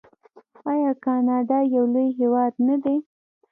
آیا کاناډا یو لوی هیواد نه دی؟